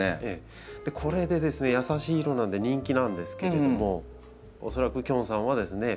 これで優しい色なんで人気なんですけれども恐らくきょんさんはですね